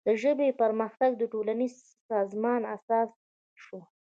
د ژبې پرمختګ د ټولنیز سازمان اساس شو.